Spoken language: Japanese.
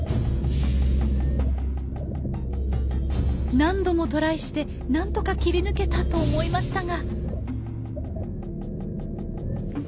何度もトライして何とか切り抜けたと思いましたが。